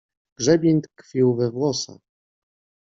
Grzebień tkwił we włosach.